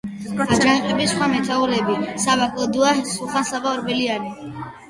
აჯანყების სხვა მეთაურები ემიგრაციაში წავიდნენ.